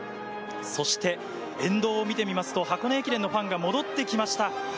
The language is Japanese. そして沿道を見てみますと箱根駅伝のファンが戻ってきました。